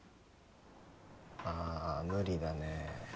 ああ無理だね